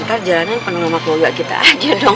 ntar jalan yang penuh sama keluarga kita aja dong